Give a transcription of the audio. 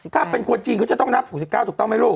ถ้าเป็นคนจีนก็จะต้องนับ๖๙ถูกต้องไหมลูก